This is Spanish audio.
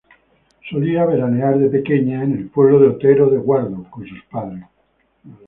Solía veranear de pequeña en el pueblo de Otero de Guardo con sus padres.